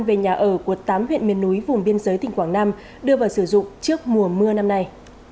về nhà ở của tám huyện miền núi vùng biên giới tỉnh quảng nam đưa vào sử dụng trước mùa mưa năm nay